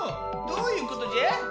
どういうことじゃ？